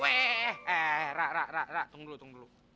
weh eh eh eh ra ra ra tunggu dulu tunggu dulu